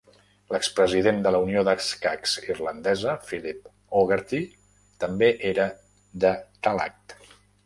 L'expresident de la Unió d'escacs irlandesa, Philip Hogarty, també era de Tallaght.